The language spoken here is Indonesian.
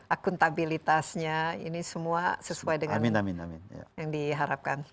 akuntabilitasnya ini semua sesuai dengan yang diharapkan